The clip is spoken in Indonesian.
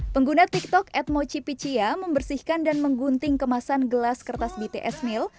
pengguna tiktok admo cipiccia membersihkan dan menggunting kemasan gelas kertas bts meal